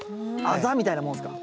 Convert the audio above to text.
あざみたいなもんですか？